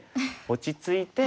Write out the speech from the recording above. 落ち着いて。